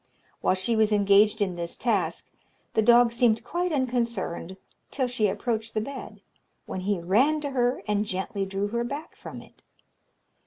While she was engaged in this task, the dog seemed quite unconcerned till she approached the bed, when he ran to her, and gently drew her back from it.